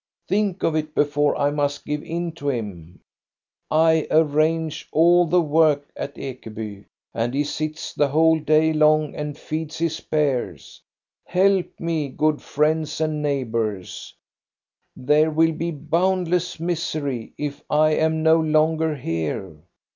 Think of it, before I must give in to him ] I arrange all the work at Ekeby, and he sits the whole day long and feeds his bears. Help me, good friends and neighbors I There will be a bound less misery if I am no longer here.